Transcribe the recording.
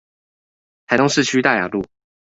台中市區大雅路